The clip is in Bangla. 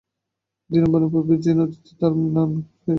দিবারম্ভের পূর্বেই সেই নদীতে তাঁর স্নান হয়ে যেত।